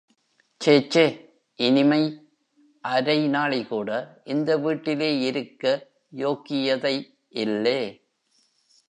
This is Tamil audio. சேச்சே, இனிமை அரை நாழிகூட இந்த வீட்டிலே இருக்க யோக்கியதை இல்லே.